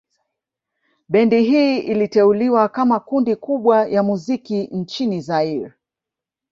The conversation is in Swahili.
Bendi hii iliteuliwa kama kundi kubwa ya muziki nchini Zaire